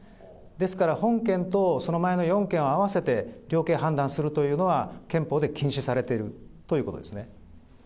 ですから本件と、その前の４件を合わせて量刑判断するというのは、憲法で禁止されているということですね。